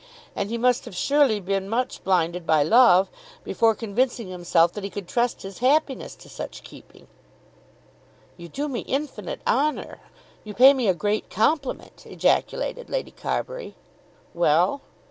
And he must have surely been much blinded by love, before convincing himself that he could trust his happiness to such keeping. "You do me infinite honour. You pay me a great compliment," ejaculated Lady Carbury. "Well?"